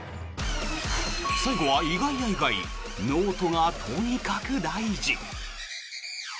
最後は、意外や意外ノートがとにかく大事。